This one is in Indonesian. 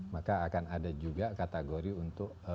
maka akan ada juga kategori untuk